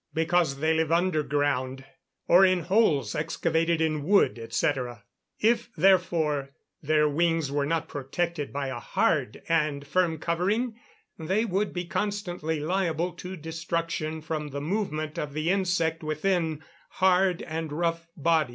_ Because they live underground, or in holes excavated in wood, &c. If, therefore, their wings were not protected by a hard and firm covering, they would be constantly liable to destruction from the movement of the insect within hard and rough bodies.